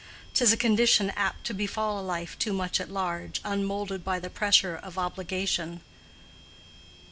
'Tis a condition apt to befall a life too much at large, unmoulded by the pressure of obligation.